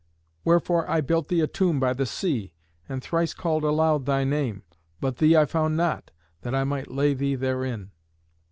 Wherefore I built thee a tomb by the sea, and thrice called aloud thy name. But thee I found not, that I might lay thee therein."